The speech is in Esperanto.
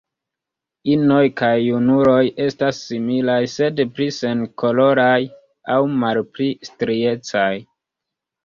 Inoj kaj junuloj estas similaj, sed pli senkoloraj aŭ malpli striecaj.